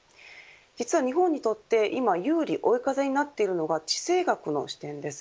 実は日本にとって今追い風になっているのが地政学の視点です。